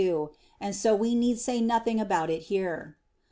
2); and so we need say nothing about it here.